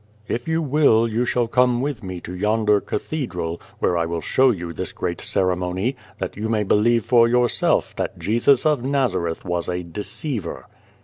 "If you will, you shall come with me to yonder cathedral, where I will show you this great ceremony, that you may believe for your self that Jesus of Nazareth was a deceiver."